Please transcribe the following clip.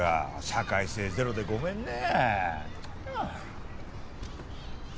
社会性ゼロでごめんね。